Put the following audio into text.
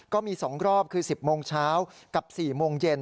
ก็มี๒รอบคือ๑๐โมงเช้ากับ๔โมงเย็น